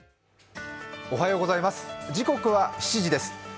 時刻は７時です。